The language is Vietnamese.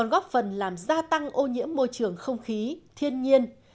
góp phần làm gia tăng ô nhiễm môi trường không khí thiên nhiên